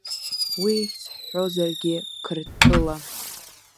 Уи ихьӡ ҳҳәозаргьы Қырҭтәыла!